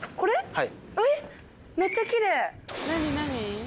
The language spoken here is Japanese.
はい。